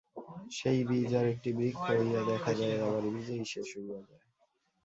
সেই বীজ আর একটি বৃক্ষ হইয়া দেখা দেয়, আবার বীজেই শেষ হইয়া যায়।